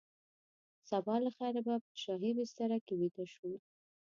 سبا له خیره به په شاهي بستره کې ویده شو.